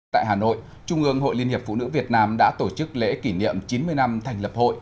tại hà nội trung ương hội liên hiệp phụ nữ việt nam đã tổ chức lễ kỷ niệm chín mươi năm thành lập hội